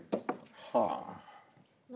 はあ。